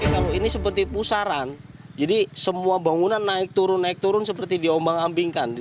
kalau ini seperti pusaran jadi semua bangunan naik turun naik turun seperti diombang ambingkan